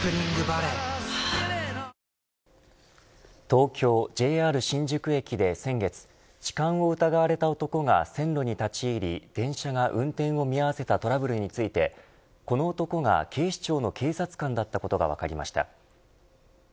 東京、ＪＲ新宿駅で先月痴漢を疑われた男が線路に立ち入り電車が運転を見合わせたトラブルについてこの男が警視庁の警察官だったことが分かりました。